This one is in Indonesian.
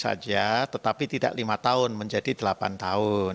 saja tetapi tidak lima tahun menjadi delapan tahun